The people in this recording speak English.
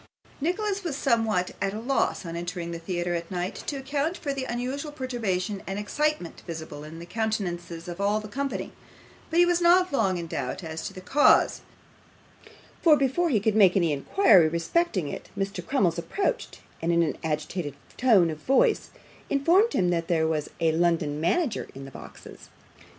Nicholas was somewhat at a loss, on entering the theatre at night, to account for the unusual perturbation and excitement visible in the countenances of all the company, but he was not long in doubt as to the cause, for before he could make any inquiry respecting it Mr. Crummles approached, and in an agitated tone of voice, informed him that there was a London manager in the boxes.